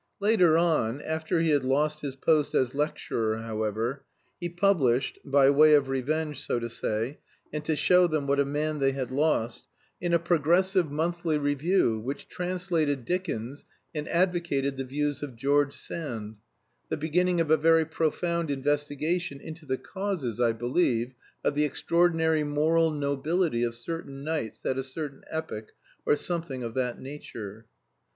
Later on after he had lost his post as lecturer, however he published (by way of revenge, so to say, and to show them what a man they had lost) in a progressive monthly review, which translated Dickens and advocated the views of George Sand, the beginning of a very profound investigation into the causes, I believe, of the extraordinary moral nobility of certain knights at a certain epoch or something of that nature.